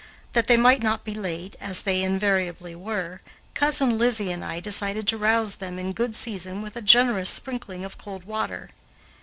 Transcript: That they might not be late, as they invariably were, Cousin Lizzie and I decided to rouse them in good season with a generous sprinkling of cold water.